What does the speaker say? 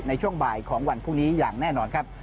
ในช่วงบ่ายของวันพรุ่งนี้อย่างแน่นอนครับ